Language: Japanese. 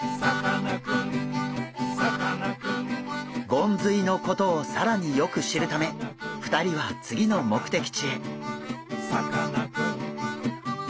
ゴンズイのことを更によく知るため２人は次の目的地へ。